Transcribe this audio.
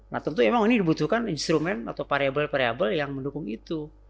nah tentu memang ini dibutuhkan instrumen atau variable variable yang mendukung itu